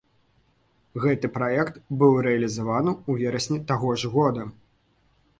Гэты праект быў рэалізаваны ў верасні таго ж года.